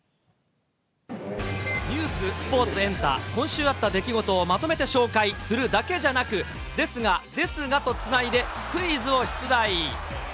ニュース、スポーツ、エンタ、今週あった出来事をまとめて紹介するだけじゃなく、ですが、ですがとつないで、クイズを出題。